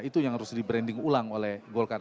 itu yang harus di branding ulang oleh golkar